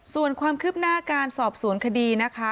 ส่วนความคืบหน้าการสอบสวนคดีนะคะ